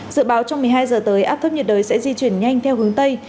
dự báo trong một mươi hai giờ tới áp thấp nhiệt đới sẽ di chuyển nhanh theo hướng tây